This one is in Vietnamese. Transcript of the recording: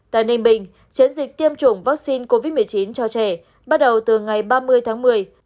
tại ninh bình chiến dịch tiêm chủng vaccine covid một mươi chín cho trẻ bắt đầu từ ngày ba mươi tháng một mươi